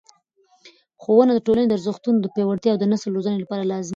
ښوونه د ټولنې د ارزښتونو د پیاوړتیا او نسل روزنې لپاره لازمي ده.